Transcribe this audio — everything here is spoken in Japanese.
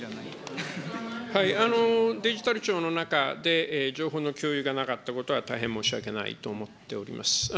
デジタル庁の中で情報の共有がなかったことは大変申し訳ないと思っております。